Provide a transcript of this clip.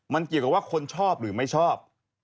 มันเกี่ยวกับว่าคนชอบหรือไม่ชอบ